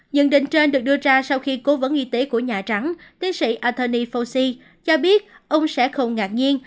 nhận định trên được đưa ra sau khi cố vấn y tế của nhà trắng tiến sĩ anthony fauci cho biết ông sẽ không ngạc nhiên